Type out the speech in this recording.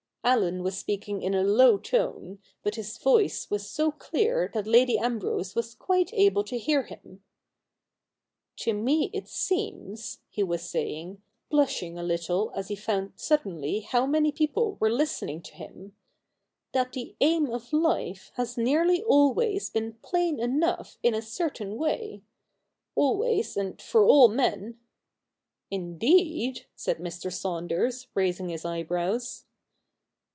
i^llen was speaking in a low tone, but his voice was so clear that Lady Ambrose was quite able to hear him. ' To me it seems,' he was saying, blushing a little as he found suddenly how many people were listening to him, ' that the aim of life has nearly always been plain enough in a certain way — always, and for all men '' Indeed ?' said Mr. Saunders, raising his eyebrows.